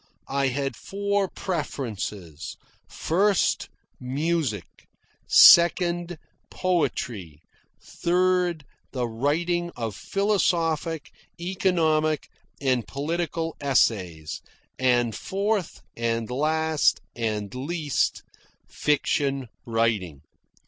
I had four preferences: first, music; second, poetry; third, the writing of philosophic, economic, and political essays; and, fourth, and last, and least, fiction writing.